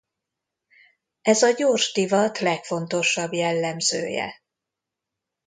Ez a gyors divat legfontosabb jellemzője.